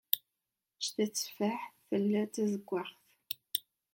Ač teffaḥet tella d tazuggaɣt.